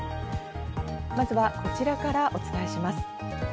まずは、こちらからお伝えします。